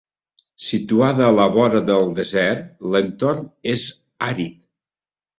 Situada a la vora del desert l'entorn és àrid.